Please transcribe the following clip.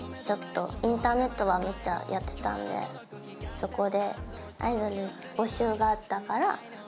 そこで。